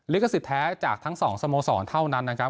ลิขสิทธิแท้จากทั้งสองสโมสรเท่านั้นนะครับ